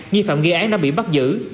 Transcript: nghi phạm gây án đã bị bắt giữ